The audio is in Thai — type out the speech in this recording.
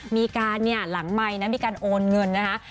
มีการหลังไมค์มีการโอนเงินนะคะ